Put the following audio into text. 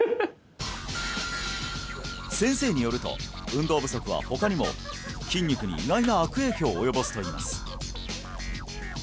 先生によると運動不足は他にも筋肉に意外な悪影響を及ぼすといいます質が悪い質